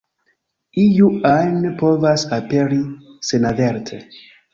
Iu ajn povas aperi senaverte.